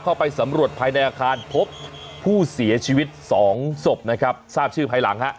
เข้าไปสำรวจภายในอาคารพบผู้เสียชีวิตสองศพนะครับทราบชื่อภายหลังฮะ